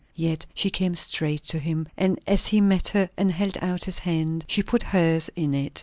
Yet she came straight to him, and as he met her and held out his hand, she put hers in it.